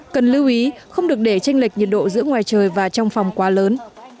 cần lưu ý không được để tranh lệch nhiệt độ giữa ngoài trời và trong phòng quá lớn